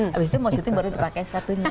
habis itu mau syuting baru dipakai satunya